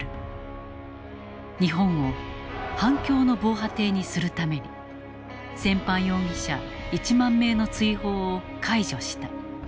日本を反共の防波堤にするために戦犯容疑者１万名の追放を解除した。